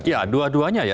ya dua duanya ya